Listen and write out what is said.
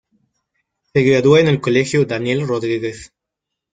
Se graduó en el colegio "Daniel Rodríguez".